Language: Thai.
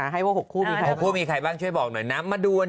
ให้ว่าหกคู่มีใครบ้างเชื่อบอกหน่อยนะมาดู